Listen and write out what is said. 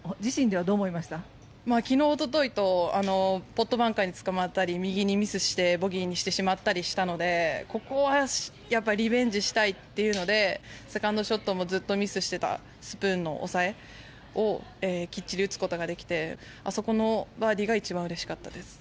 昨日、おとといとポットバンカーにつかまったり右にミスしてボギーにしてしまったりしたのでここはリベンジしたいというのでセカンドショットもずっとミスしていたスプーンの抑えをきっちり打つことができてあそこのバーディーが一番うれしかったです。